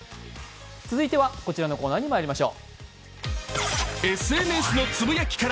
続いてはこちらのコーナーにまいりましょう。